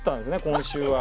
今週は。